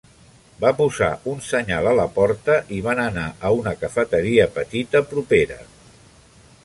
Va posar un senyal a la porta i van anar a una cafeteria petita propera.